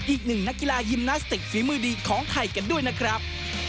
อีกหนึ่งนักกีฬายิมนาสติกฝีมือดีของไทยกันด้วยนะครับ